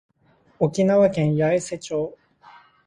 沖縄県八重瀬町